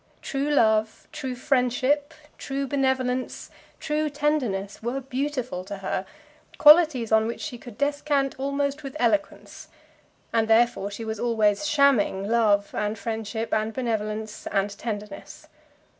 True love, true friendship, true benevolence, true tenderness, were beautiful to her, qualities on which she could descant almost with eloquence; and therefore she was always shamming love and friendship and benevolence and tenderness.